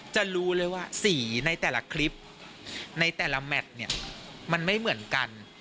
จะรู้เลยว่าสีในแต่ละคลิปในแต่ละแมทเนี่ยมันไม่เหมือนกัน